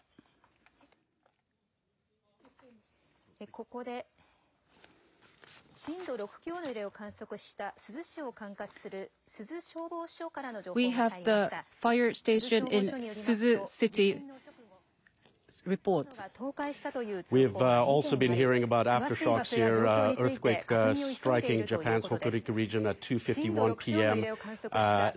ここで震度６強の揺れを観測した珠洲市を管轄する珠洲消防署からの情報が入りました。